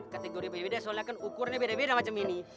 kategori beda soalnya kan ukurnya beda beda macam ini